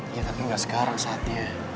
iya tapi ga sekarang saatnya